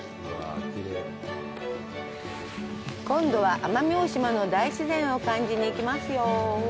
今度は奄美大島の大自然を感じに行きますよ！